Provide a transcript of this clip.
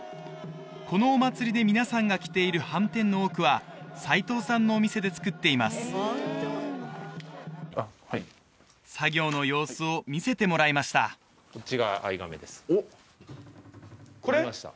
このお祭りで皆さんが着ているはんてんの多くは齋藤さんのお店で作っています作業の様子を見せてもらいましたこっちが藍甕ですおっこれ？